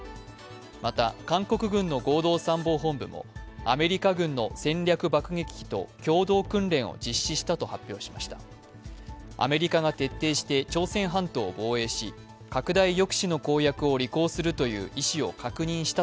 また、韓国軍の合同参謀本部もアメリカ軍の戦略爆撃機と共同訓練を実施したと発表しました。